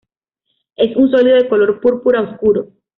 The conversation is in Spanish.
Es un sólido de color púrpura oscuro.